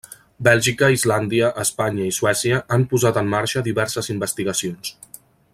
Bèlgica, Islàndia, Espanya i Suècia han posat en marxa diverses investigacions.